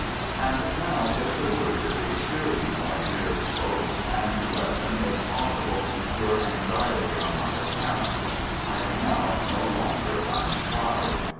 And now, just a word to reassure you, my dearest folks, and to lessen, if possible, your anxiety on my account. I am now no longer untried.